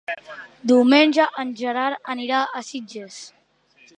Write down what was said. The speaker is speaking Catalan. Diumenge en Gerard anirà a Sitges.